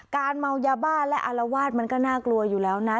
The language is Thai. เมายาบ้าและอารวาสมันก็น่ากลัวอยู่แล้วนะ